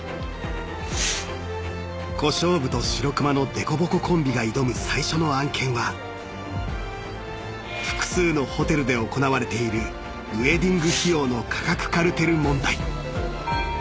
［小勝負と白熊の凸凹コンビが挑む最初の案件は複数のホテルで行われているウェディング費用の価格カルテル問題］